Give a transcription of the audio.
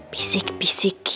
bisik bisik gitu nya